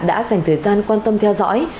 đã dành thời gian quan tâm theo dõi